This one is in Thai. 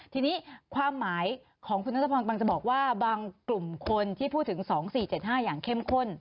ทีนี้ความหมายของคุณนัทพรบางจะบอกว่าบางกลุ่มคนที่พูดถึง๒๔๗๕อย่างเข้มข้น